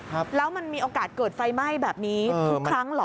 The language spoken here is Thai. ครับแล้วมันมีโอกาสเกิดไฟไหม้แบบนี้ทุกครั้งเหรอ